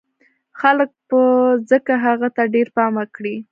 خلک به ځکه هغه ته ډېر پام وکړي